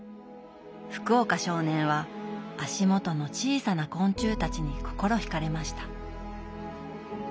福岡少年は足元の小さな昆虫たちに心ひかれました。